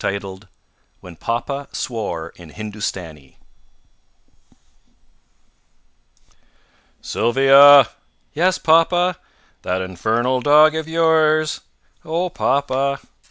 STORIES WHEN PAPA SWORE IN HINDUSTANI "Sylvia!" "Yes, papa." "That infernal dog of yours " "Oh, papa!"